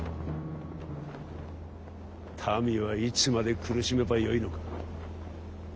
民はいつまで苦しめばよいのか。